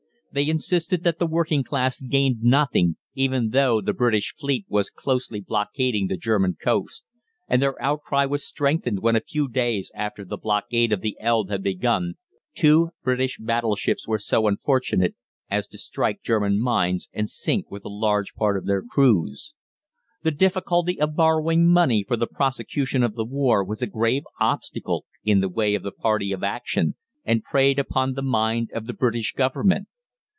They insisted that the working class gained nothing, even though the British fleet was closely blockading the German coast, and their outcry was strengthened when a few days after the blockade of the Elbe had begun, two British battleships were so unfortunate as to strike German mines, and sink with a large part of their crews. The difficulty of borrowing money for the prosecution of the war was a grave obstacle in the way of the party of action, and preyed upon the mind of the British Government.